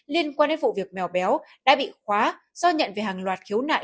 liên quan đến vụ việc mèo béo đã bị khóa do nhận về hàng loạt khiếu nại